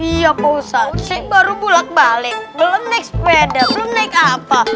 iya pak ustadz sih baru bulat balik belum naik sepeda belum naik apa